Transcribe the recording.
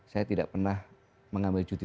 saya tidak pernah mengambil cuti